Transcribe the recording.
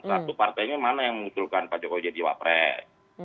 satu partainya mana yang mengusulkan pak jokowi jadi wapres